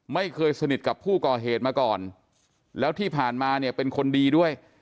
ไม่เคยสนิทกับผู้ก่อเหตุมาก่อนแล้วที่ผ่านมาเนี่ยเป็นคนดีด้วย